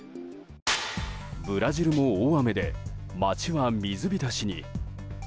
ブラジルも大雨で街は水浸しに。